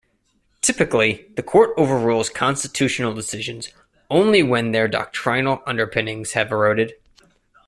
Typically, the Court overrules constitutional decisions only when their doctrinal underpinnings have eroded.